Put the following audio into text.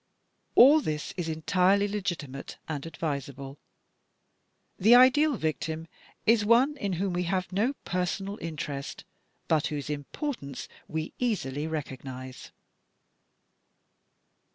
All this is entirely legitimate and advisable. The ideal victim is one in whom we have no personal interest, but whose importance we easily recognize.